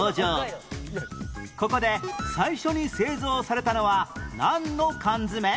ここで最初に製造されたのはなんの缶詰？